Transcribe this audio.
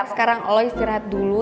sekarang lo istirahat dulu